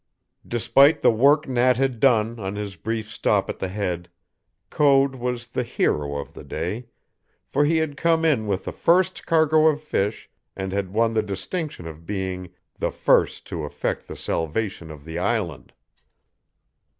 Despite the work Nat had done on his brief stop at the Head, Code was the hero of the day, for he had come in with the first cargo of fish and had won the distinction of being the first to effect the salvation of the island.